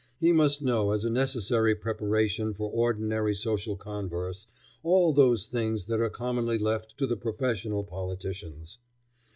He must know as a necessary preparation for ordinary social converse all those things that are commonly left to the professional politicians.